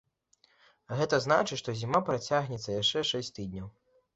Гэта значыць, што зіма працягнецца яшчэ шэсць тыдняў.